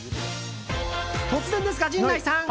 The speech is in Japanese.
突然ですが、陣内さん。